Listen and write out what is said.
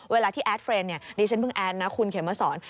เวลาที่แอดเรนดิฉันเพิ่งแอดนะคุณเขมมาสอน